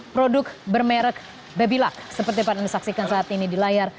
produk bermerek babyluck seperti yang disaksikan saat ini di layar